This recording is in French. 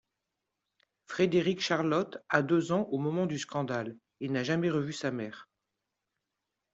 Frédérique-Charlotte a deux ans au moment du scandale et n'a jamais revu sa mère.